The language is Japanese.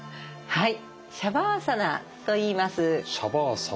はい。